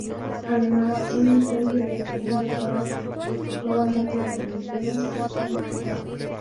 Además un incendio destruyó todas sus notas, solamente sobrevivieron sus planchas.